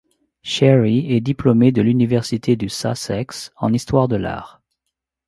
Sherry est diplômée de l'Université du Sussex en histoire de l'art.